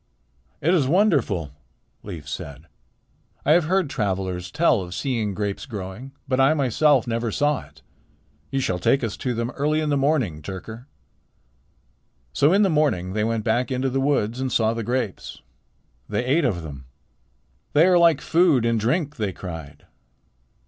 "It is wonderful," Leif said. "I have heard travelers tell of seeing grapes growing, but I myself never saw it. You shall take us to them early in the morning, Tyrker." So in the morning they went back into the woods and saw the grapes. They ate of them. "They are like food and drink," they cried.